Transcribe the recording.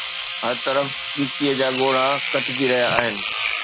هر طرف ڳچيءَ جا ڳوڙها ڪٽجي رهيا آهن